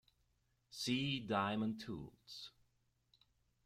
See diamond tools.